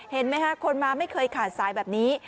เห็นไหมฮะคนมาไม่เคยขาดสายแบบนี้